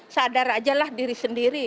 sadar aja lah diri sendiri